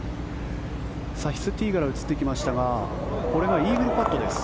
サヒス・ティーガラが映ってきましたがこれがイーグルパットです。